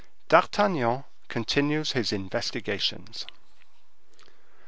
D'Artagnan continues his Investigations.